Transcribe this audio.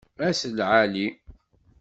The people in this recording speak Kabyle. Ass lɛali!